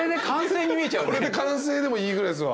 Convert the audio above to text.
これで完成でもいいぐらいですわ。